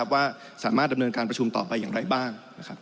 ว่าสามารถดำเนินการประชุมต่อไปอย่างไรบ้าง